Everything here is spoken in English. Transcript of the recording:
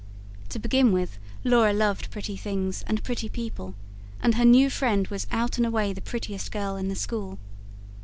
To begin with, Laura loved pretty things and pretty people; and her new friend was out and away the prettiest girl in the school.